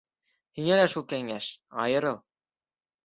Һиңә лә шул кәңәш: айырыл.